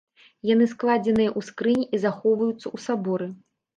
Яны складзеныя ў скрыні і захоўваюцца ў саборы.